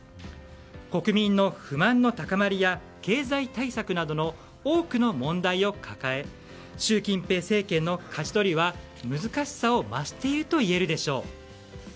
国民の不満の高まりや経済対策など多くの問題を抱え習近平政権のかじ取りは難しさを増しているといえるでしょう。